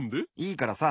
いいからさ。